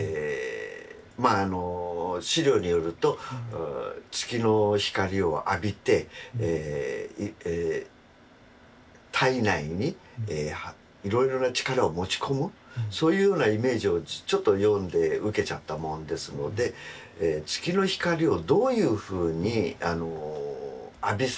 まあ資料によると月の光を浴びて体内にいろいろな力を持ち込むそういうようなイメージをちょっと読んで受けちゃったもんですので月の光をどういうふうに浴びさせようかと。